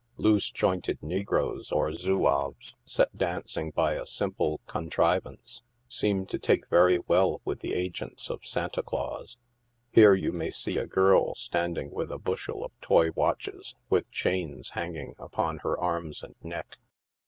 Loose jointed negroes, or zouaves, set dancing by a simple contri vance, seem to take very well with the agents of Santa Claus. Here you may see a girl standing with a bushel of toy watches, with chains, hanging upon her arm3 and neck.